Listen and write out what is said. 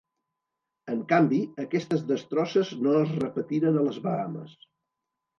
En canvi, aquestes destrosses no es repetiren a les Bahames.